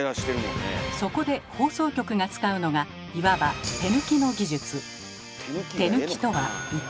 そこで放送局が使うのがいわば「手抜き」の技術。